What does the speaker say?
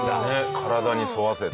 体に沿わせて。